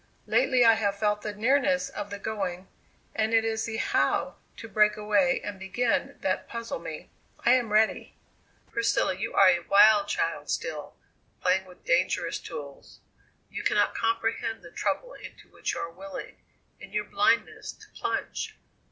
Lately I have felt the nearness of the going, and it is the how to break away and begin that puzzle me. I am ready." "Priscilla, you are a wild child still, playing with dangerous tools. You cannot comprehend the trouble into which you are willing, in your blindness, to plunge.